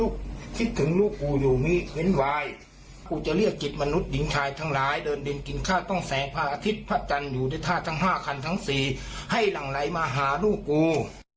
กูจะเรียกกิจมนุษย์หญิงชายทั้งหลายเดินบินกินข้าวต้องแสงพระอาทิตย์พระจันทร์อยู่ในท่าทั้ง๕คันทั้ง๔ให้หลังไหลมาหาลูกกู